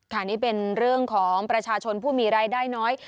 นี่เป็นเรื่องของประชาชนผู้มีรายได้น้อย